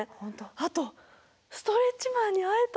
あとストレッチマンに会えた。